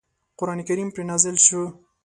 قرآن کریم پرې نازل شو.